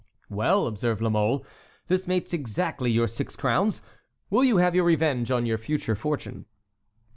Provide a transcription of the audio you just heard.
"Well," observed La Mole, "this makes exactly your six crowns. Will you have your revenge on your future fortune?"